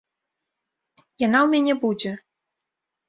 Яна ў мяне будзе.